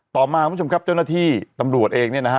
ต่อมาคุณผู้ชมครับเจ้าหน้าที่ตำรวจเองเนี่ยนะฮะ